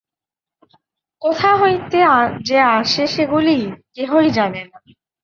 কোথা হইতে যে আসে সেগুলি, কেহই জানে না।